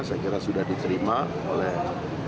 saya kira sudah diterima oleh